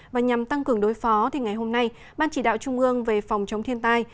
và nhằm tăng cường đối phó thì ngày hôm nay ban chỉ đạo trung ương về phòng chống thiên tai